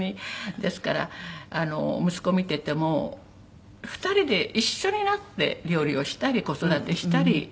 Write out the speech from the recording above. ですから息子見てても２人で一緒になって料理をしたり子育てしたり。